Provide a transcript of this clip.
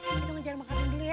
kita ngejar makan dulu ya